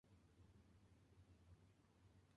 Actualmente es jugador del Nanjing Monkey King chino.